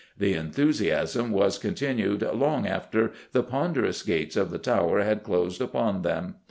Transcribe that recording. ... The enthusiasm was continued long after the ponderous gates of the Tower had closed upon them.